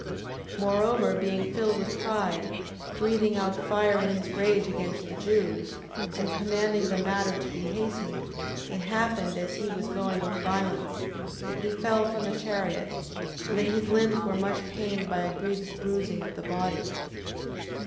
9:7. Moreover, being filled with pride, breathing out fire in his rage against the Jews, and commanding the matter to be hastened, it happened as he was going with violence, that he fell from the chariot, so that his limbs were much pained by a grievous bruising of the body.